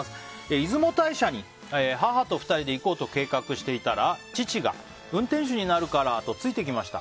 出雲大社に母と２人で行こうと計画していたら父が運転手になるからとついてきました。